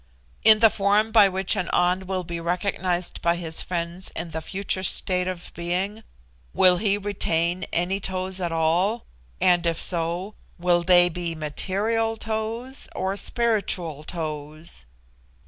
In the form by which an An will be recognised by his friends in the future state of being, will he retain any toes at all, and, if so, will they be material toes or spiritual toes?"